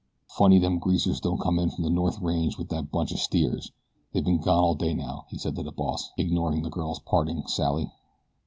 "Funny them greasers don't come in from the north range with thet bunch o' steers. They ben gone all day now," he said to the boss, ignoring the girl's parting sally.